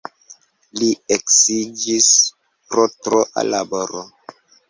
Li eksiĝis pro troa laboro.